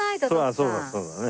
そうだそうだね。